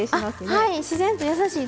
はい。